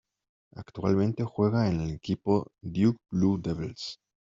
Actualmente juega en el equipo Duke Blue Devils.